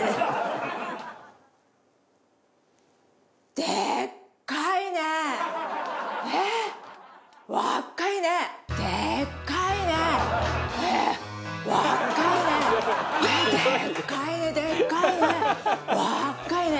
でっかいねでっかいね！